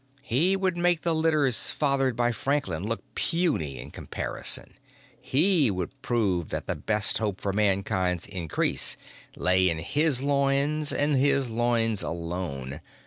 He would make the litters fathered by Franklin look puny in comparison, he would prove that the best hope for Mankind's increase lay in his loins and his loins alone.